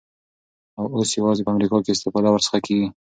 او اوس یوازی په امریکا کي استفاده ورڅخه کیږی